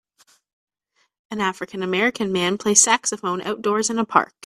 An African American man plays saxophone outdoors in a park.